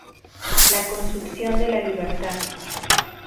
La construcción de la libertad".